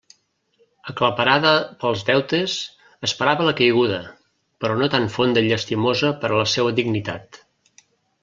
Aclaparada pels deutes, esperava la caiguda, però no tan fonda i llastimosa per a la seua dignitat.